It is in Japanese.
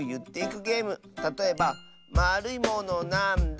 たとえば「まるいものなんだ？」